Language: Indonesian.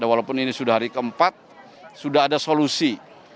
walaupun ini sudah hari keempat sudah ada solusi